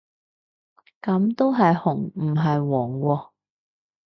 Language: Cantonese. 噉都係紅唔係黃喎